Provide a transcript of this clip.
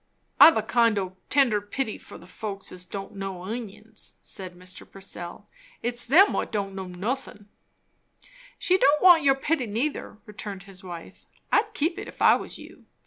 "I've a kind o' tender pity for the folks as don't know inguns," said Mr. Purcell. "It's them what don't know nothin'." "She don't want your pity, neither," returned his wife. "I'd keep it, if I was you.